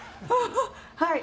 はい。